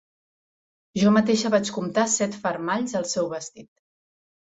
Jo mateixa vaig comptar set fermalls al seu vestit.